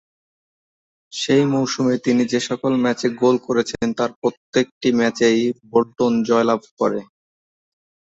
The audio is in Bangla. সেই মৌসুমে তিনি যেসকল ম্যাচে গোল করেছেন তার প্রত্যেকটি ম্যাচেই বোল্টন জয়লাভ করে।